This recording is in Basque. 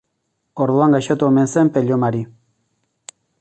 Orduan gaixotu omen zen Pello Mari.